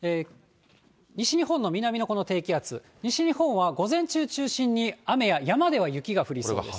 西日本の南のこの低気圧、西日本は午前中中心に雨や山では雪が降りそうです。